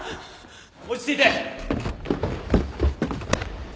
落ち着いて。